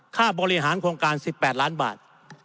ค่าบริหารโครงการ๑๘ล้านบาท